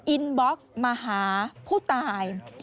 อินบ็อกซ์มาหาผู้ตาย